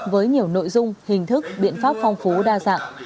với nhiều nội dung hình thức biện pháp phong phú đa dạng